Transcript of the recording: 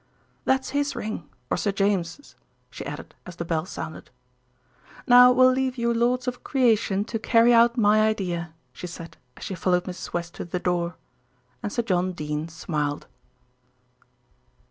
"That's his ring, or Sir James's," she added as the bell sounded. "Now we'll leave you lords of creation to carry out my idea," she said as she followed Mrs. West to the door. And Sir John Dene smiled.